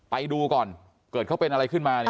ไปดูก่อนเกิดเขาเป็นอะไรขึ้นมาเนี่ย